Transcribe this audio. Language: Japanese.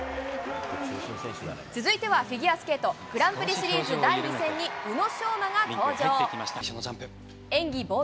続いてはフィギュアスケート、グランプリシリーズ第２戦に宇野昌磨が登場。